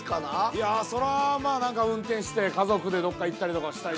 ◆いや、そらあ、まあ、運転して家族でどこか行ったりとかしたい。